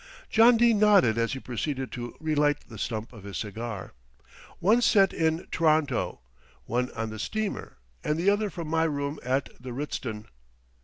John Dene nodded as he proceeded to relight the stump of his cigar. "One set in T'ronto, one on the steamer and the other from my room at the Ritzton."